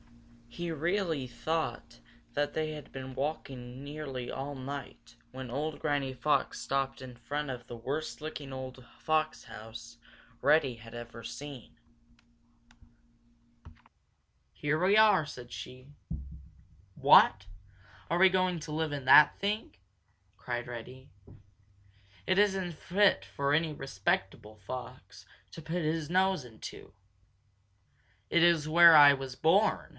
He really thought that they had been walking nearly all night when old Granny Fox stopped in front of the worst looking old fox house Reddy had ever seen. "Here we are!" said she. "What! Are we going to live in that thing?" cried Reddy. "It isn't fit for any respectable fox to put his nose into." "It is where I was born!"